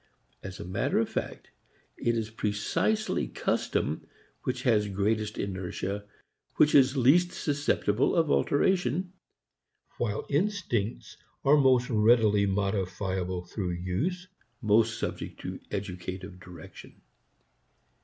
As matter of fact, it is precisely custom which has greatest inertia, which is least susceptible of alteration; while instincts are most readily modifiable through use, most subject to educative direction.